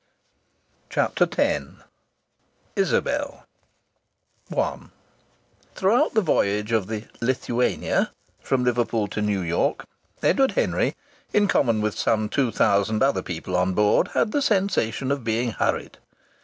CHAPTER X ISABEL I Throughout the voyage of the Lithuania from Liverpool to New York, Edward Henry, in common with some two thousand other people on board, had the sensation of being hurried.